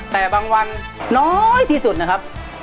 แต่บางวันน้อยที่สุดนะครับ